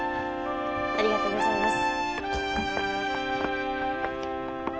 ありがとうございます。